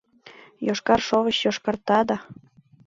Йошкар шовыч йошкарта да